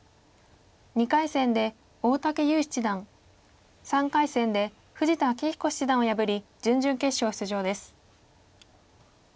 ２回戦で大竹優七段３回戦で富士田明彦七段を破り準々決勝出場です。